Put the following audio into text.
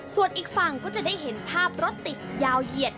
ส่วนอีกฝั่งก็จะได้เห็นภาพรถติดยาวเหยียด